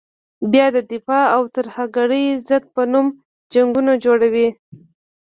بیا د دفاع او ترهګرې ضد په نوم جنګونه جوړوي.